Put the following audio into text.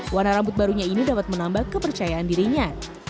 warna rambut barunya ini dapat menambah kepercayaan dirinya